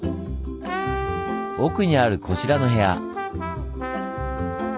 奥にあるこちらの部屋。